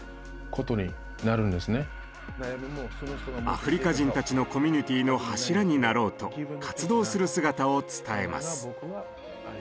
アフリカ人たちのコミュニティーの柱になろうと活動する姿を伝えます。